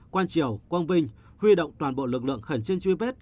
quang triều quang vinh huy động toàn bộ lực lượng khẩn trương truy vết